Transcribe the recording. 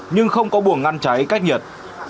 nhưng không có buồng ngăn cháy cách nhiệt